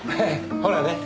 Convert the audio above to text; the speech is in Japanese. ほらね。